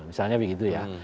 misalnya begitu ya